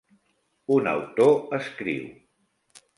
Un autor escriu: